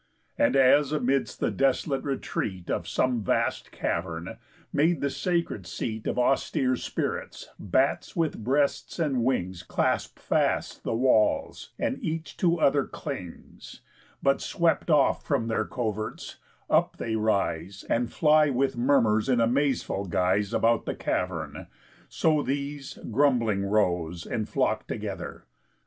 And as amidst the desolate retreat Of some vast cavern, made the sacred seat Of austere spirits, bats with breasts and wings Clasp fast the walls, and each to other clings, But, swept off from their coverts, up they rise And fly with murmurs in amazeful guise About the cavern; so these, grumbling, rose And flock'd together.